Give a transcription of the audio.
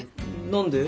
何で？